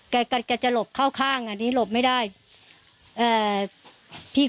แกจะหลบเข้าข้างอันนี้หลบไม่ได้เอ่อพี่